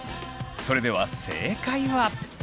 それでは正解は。